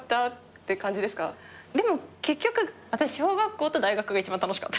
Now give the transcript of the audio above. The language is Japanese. でも結局私小学校と大学が一番楽しかったです。